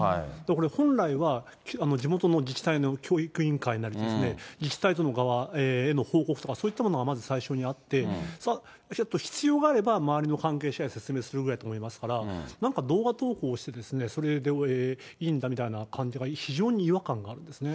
これ、本来は、地元の自治体の教育委員会なりですね、自治体への報告とか、そういったものがまず最初にあって、必要があれば、周りの関係者に説明するぐらいと思いますから、なんか動画投稿をして、それでいいんだみたいな感じが、非常に違和感があるんですね。